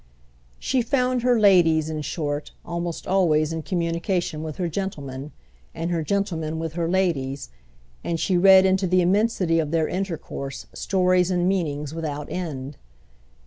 She found her ladies, in short, almost always in communication with her gentlemen, and her gentlemen with her ladies, and she read into the immensity of their intercourse stories and meanings without end.